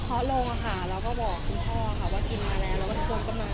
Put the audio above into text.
พ่อภูเขาบอกคุณพ่อค่ะว่ากินมาแล้วก็ทุกคนก็มา